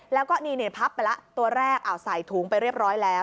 แล้วก็นี่เปล่าปั๊บไปละตัวแรกอ้าวใส่ถุงไปเรียบร้อยแล้ว